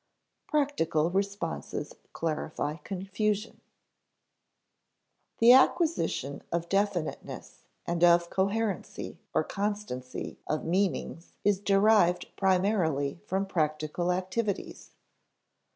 [Sidenote: Practical responses clarify confusion] The acquisition of definiteness and of coherency (or constancy) of meanings is derived primarily from practical activities.